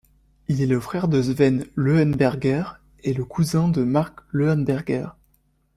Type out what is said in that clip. Il est le frère de Sven Leuenberger et le cousin de Marc Leuenberger.